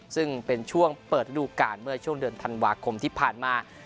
ซึ่งเป็นช่วงเปิดฤดูการเมื่อช่วงเดือนธันวาคมที่ผ่านมา